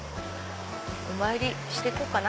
お参りしてこうかな。